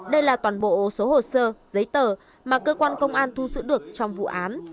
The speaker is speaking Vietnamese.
đây là toàn bộ số hồ sơ giấy tờ mà cơ quan công an thu giữ được trong vụ án